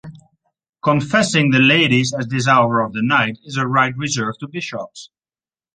Confessing the ladies at this hour of the night is a right reserved to bishops...